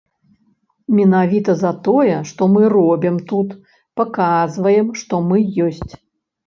Менавіта за тое, што мы робім тут, паказваем, што мы ёсць.